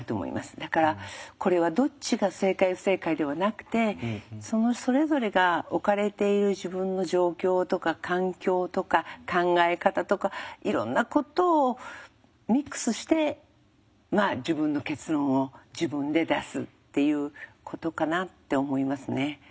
だからこれはどっちが正解不正解ではなくてそのそれぞれが置かれている自分の状況とか環境とか考え方とかいろんなことをミックスして自分の結論を自分で出すっていうことかなって思いますね。